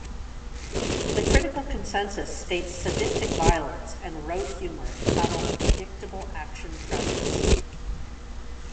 The critical consensus states Sadistic violence and rote humor saddle a predictable action premise.